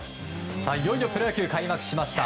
いよいよプロ野球開幕しました。